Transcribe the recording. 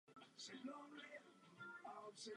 Určité projevy pozitivního vývoje jsme již zaznamenali.